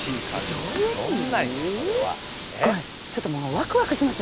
これちょっともうワクワクします